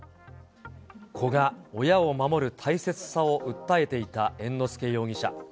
子が親を守る大切さを訴えていた猿之助容疑者。